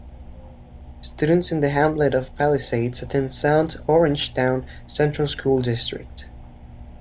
Students in the Hamlet of Palisades attend South Orangetown Central School District.